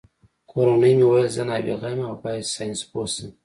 کورنۍ مې ویل زه نابغه یم او باید ساینسپوه شم